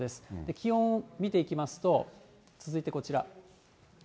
気温見ていきますと、続いてこちら。